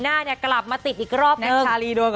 ปะแต่นี้ประกาศจังนี้เลย